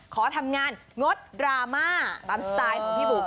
ขอทำงานงดดราม่าตามสไตล์ของพี่บุ๋ม